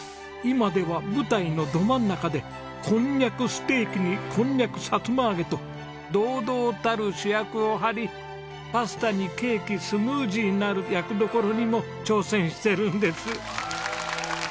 今では舞台のど真ん中でこんにゃくステーキにこんにゃくさつま揚げと堂々たる主役を張りパスタにケーキスムージーなる役どころにも挑戦してるんです。